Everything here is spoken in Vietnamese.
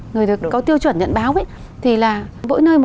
người có tiêu chuẩn nhận báo ấy